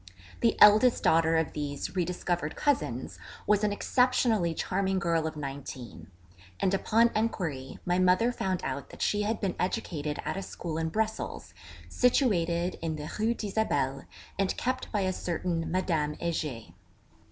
The eldest daughter of these re discovered cousins was an exceptionally charming girl of nineteen; and upon enquiry my mother found out that she had been educated at a school in Brussels, situated in the Rue d'Isabelle, and kept by a certain Madame Heger.